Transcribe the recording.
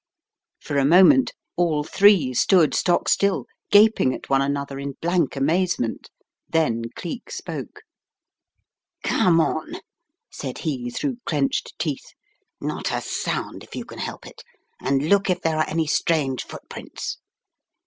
For a moment all three stood stock still gaping at one another in blank amaze ment, then Cleek spoke. "Come on," said he, through clenched teeth, "not a sound if you can help it, and look if there are any strange footprints."